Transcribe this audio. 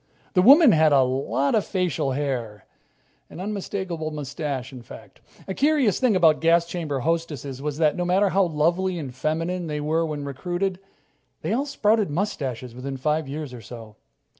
The woman had a lot of facial hair an unmistakable mustache, in fact. A curious thing about gas chamber hostesses was that, no matter how lovely and feminine they were when recruited, they all sprouted mustaches within five years or so.